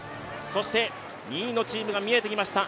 そして２位のチームが見えてきました。